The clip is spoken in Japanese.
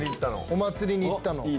お祭りに行ったの。